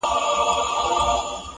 په څپو کي ستا غوټې مي وې لیدلي!!